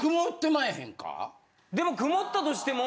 でも曇ったとしても。